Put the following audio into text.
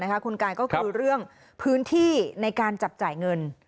คุณกายก็คือเรื่องพื้นที่ในการจับจ่ายเงิน